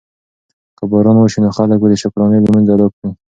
که باران وشي نو خلک به د شکرانې لمونځ ادا کړي.